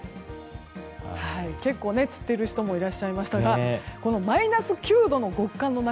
結構、釣っている人もいらっしゃいましたがこのマイナス９度の極寒の中